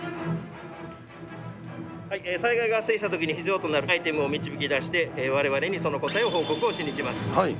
災害が発生したときに、アイテムを導き出してわれわれにその答えを報告をしにきます。